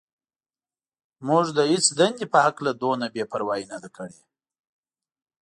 موږ د هېڅ دندې په هکله دومره بې پروايي نه ده کړې.